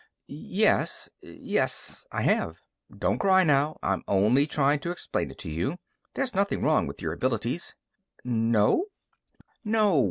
"Yes ... yes. I have." "Don't cry, now; I'm only trying to explain it to you. There's nothing wrong with your abilities." "No?" "No.